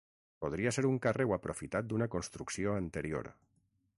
Podria ser un carreu aprofitat d'una construcció anterior.